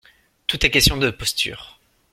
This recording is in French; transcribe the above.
Tout est question de posture.